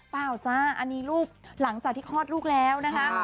เปล่าจ้ะอันนี้หลังจากที่คลอดลูกแล้วนะคะ